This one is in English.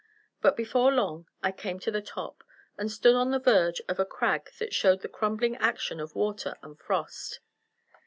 But before long I came to the top, and stood on the verge of a crag that showed the crumbling action of water and frost.